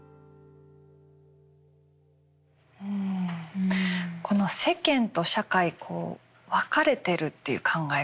んこの世間と社会こう分かれているっていう考え方